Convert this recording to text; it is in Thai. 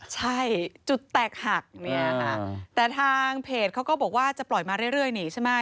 ใช่จุดแตกหักเนี่ยค่ะแต่ทางเพจเขาก็บอกว่าจะปล่อยมาเรื่อยนี่ใช่ไหม